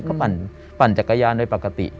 ก็ปั่นจักรยานโดยปกติ